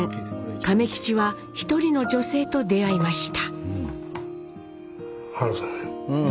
亀吉は一人の女性と出会いました。